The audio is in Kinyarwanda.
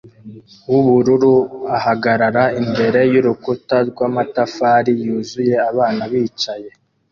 wubururu ahagarara imbere yurukuta rwamatafari yuzuye abana bicaye